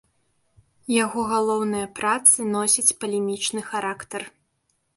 Яго галоўныя працы носяць палемічны характар.